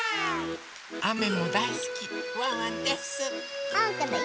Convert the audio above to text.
あめもだいすきワンワンです！